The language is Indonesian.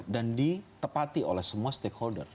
dan ditepati oleh semua stakeholder